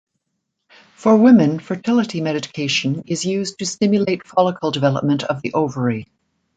For women, fertility medication is used to stimulate follicle development of the ovary.